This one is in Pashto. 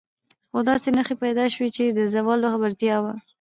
خو داسې نښې پیدا شوې چې د زوال خبرتیا وه.